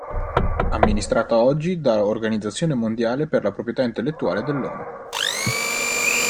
Amministrata oggi da Organizzazione mondiale per la proprietà intellettuale dell'ONU.